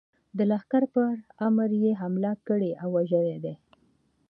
د لښکر پر امیر یې حمله کړې او وژلی دی.